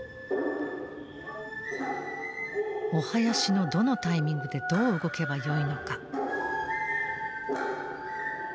お囃子のどのタイミングでどう動けばよいのか。